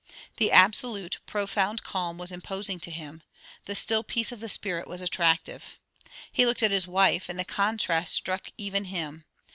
The absolute, profound calm was imposing to him; the still peace of the spirit was attractive. He looked at his wife; and the contrast struck even him.